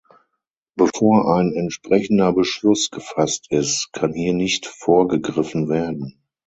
Bevor ein entsprechender Beschluss gefasst ist, kann hier nicht vorgegriffen werden.